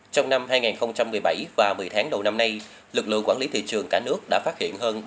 trong năm hai nghìn một mươi bảy và một mươi tháng đầu năm nay lực lượng quản lý thị trường cả nước đã phát hiện hơn ba mươi bốn bảy trăm ba mươi ba